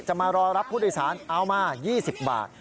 มารอรับผู้โดยสารเอามา๒๐บาท